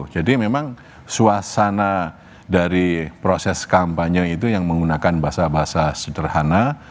jadi memang suasana dari proses kampanye itu yang menggunakan bahasa bahasa sederhana